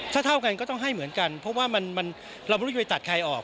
ถ้าเท่ากันก็ต้องให้เหมือนกันเพราะว่าเราไม่รู้จะไปตัดใครออก